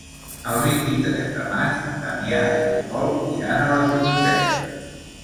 El vint-i-tres de maig en Damià i en Pol iran a la biblioteca.